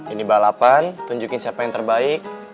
ini balapan tunjukin siapa yang terbaik